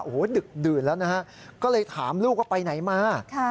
โอ้โหดึกดื่นแล้วนะฮะก็เลยถามลูกว่าไปไหนมา